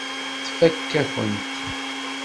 Tfakk-akent-t.